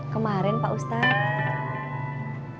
kemarin pak ustadz